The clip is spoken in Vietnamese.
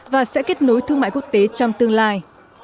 và sẽ kết nối thương mại quốc tế trong tương lai